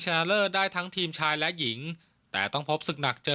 เลิศได้ทั้งทีมชายและหญิงแต่ต้องพบศึกหนักเจอ